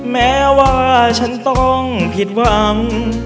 แม้ว่าฉันต้องผิดหวัง